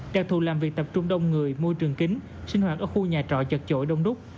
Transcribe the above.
đặc thù làm việc tập trung đông người môi trường kính sinh hoạt ở khu nhà trọ chật chội đông đúc